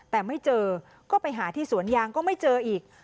แต่ไม่เจอก็ไปหาที่สวนยางก็ไม่เจออีก